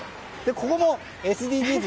ここもＳＤＧｓ